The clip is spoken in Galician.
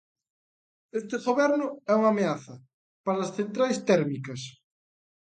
Este goberno é unha ameaza para as centrais térmicas.